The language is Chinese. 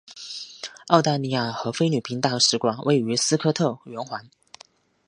澳大利亚和菲律宾大使馆位于斯科特圆环。